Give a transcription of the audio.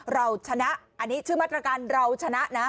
เราชนะอันนี้ชื่อมาตรการเราชนะนะ